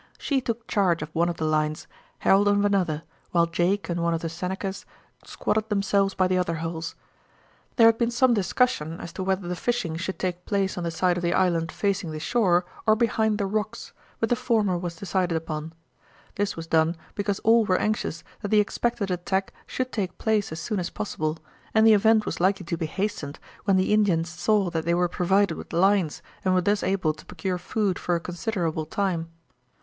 She took charge of one of the lines, Harold of another, while Jake and one of the Senecas squatted themselves by the other holes. There had been some discussion as to whether the fishing should take place on the side of the island facing the shore or behind the rocks, but the former was decided upon. This was done because all were anxious that the expected attack should take place as soon as possible, and the event was likely to be hastened when the Indians saw that they were provided with lines and were thus able to procure food for a considerable time.